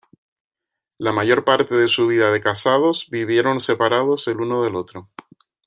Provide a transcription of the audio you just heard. La mayor parte de su vida de casados vivieron separados el uno del otro.